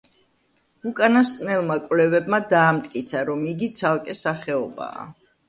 უკანასკნელმა კვლევებმა დაამტკიცა, რომ იგი ცალკე სახეობაა.